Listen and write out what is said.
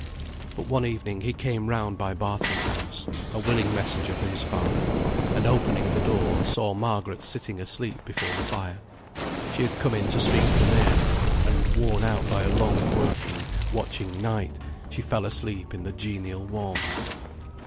But one evening he came round by Barton's house, a willing messenger for his father, and opening the door saw Margaret sitting asleep before the fire. She had come in to speak to Mary; and worn out by a long working, watching night, she fell asleep in the genial warmth.